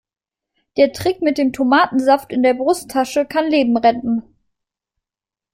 Der Trick mit dem Tomatensaft in der Brusttasche kann Leben retten.